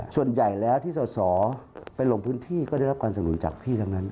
ส่วนใหญ่แล้วที่สอสอไปลงพื้นที่ก็ได้รับการสนุนจากพี่ทั้งนั้น